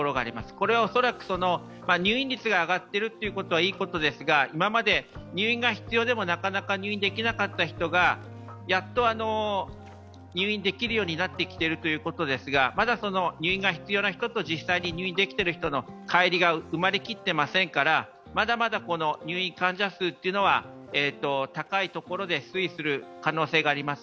これはおそらく入院率が上がってるのはいいことですが今まで入院が必要でもなかなか入院できなかった人がやっと入院できるようになってきているということですがまだ入院が必要な人と実際に入院できてる人との乖離が埋まりきっていませんから、まだまだ入院患者数というのは高いところで推移する可能性があります。